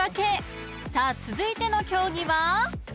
［さあ続いての競技は］